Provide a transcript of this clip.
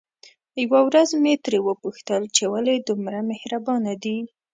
يوه ورځ مې ترې وپوښتل چې ولې دومره مهربانه دي؟